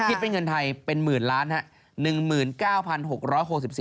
ที่เป็นเงินไทยเป็น๑๐๐๐๐๐๐๐บาทครับ